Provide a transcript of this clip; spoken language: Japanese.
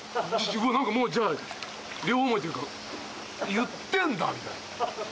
何かもうじゃあ両思いっていうか言ってんだみたいな。